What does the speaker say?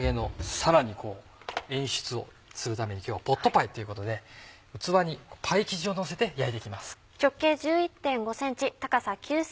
さらに演出をするために今日はポットパイっていうことで器にパイ生地をのせて焼いて行きます。